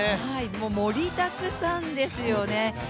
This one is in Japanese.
盛りだくさんですよね。